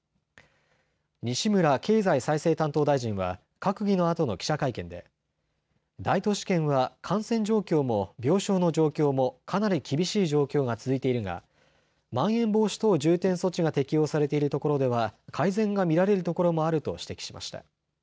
西村経済再生担当大臣は閣議のあとの記者会見で大都市圏は感染状況も病床の状況もかなり厳しい状況が続いているがまん延防止等重点措置が適用されているところでは改善が見られるところもあると指摘しました。